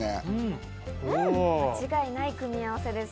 間違いない組み合わせです。